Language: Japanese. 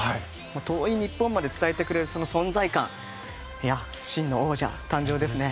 遠い日本まで伝えてくれる存在感真の王者、誕生ですね。